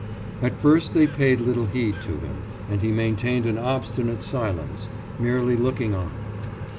At first they paid little heed to him, and he maintained an obstinate silence, merely looking on.